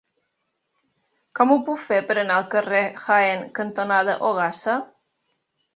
Com ho puc fer per anar al carrer Jaén cantonada Ogassa?